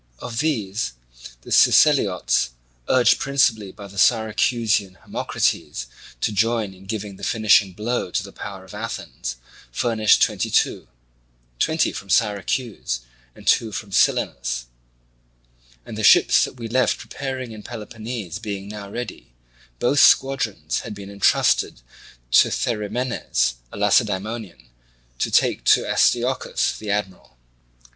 Of these the Siceliots, urged principally by the Syracusan Hermocrates to join in giving the finishing blow to the power of Athens, furnished twenty two—twenty from Syracuse, and two from Silenus; and the ships that we left preparing in Peloponnese being now ready, both squadrons had been entrusted to Therimenes, a Lacedaemonian, to take to Astyochus, the admiral.